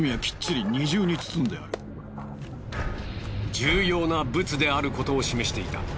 重要なブツであることを示していた。